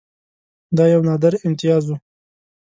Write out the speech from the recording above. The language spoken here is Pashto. دا یو نادر امتیاز وو.